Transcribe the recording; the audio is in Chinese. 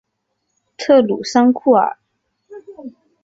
特鲁桑库尔。